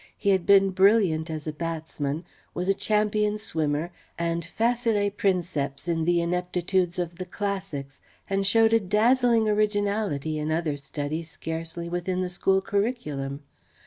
He had been brilliant as a batsman, was a champion swimmer, and facile princeps in the ineptitudes of the classics; and showed a dazzling originality in other studies scarcely within the school curriculum.